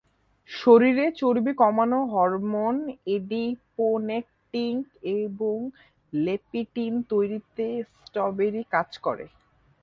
শরীরে চর্বি কমানোর হরমোন এডিপোনেকটিন এবং লেপটিন তৈরিতে স্ট্রবেরি কাজ করে।